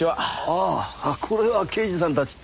ああこれは刑事さんたち。